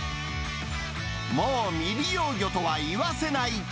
もう未利用魚とは言わせない。